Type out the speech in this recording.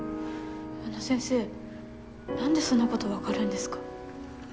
あの先生何でそんなこと分かるんですか？